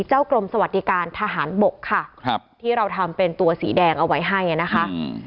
กรมสวัสดิการทหารบกค่ะครับที่เราทำเป็นตัวสีแดงเอาไว้ให้นะคะ